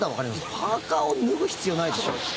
パーカを脱ぐ必要ないでしょ。